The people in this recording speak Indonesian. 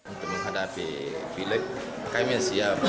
untuk menghadapi pilek kami siap